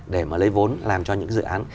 để mà lấy vốn làm cho những dự án